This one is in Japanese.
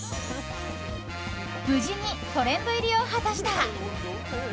無事にトレンド入りを果たした。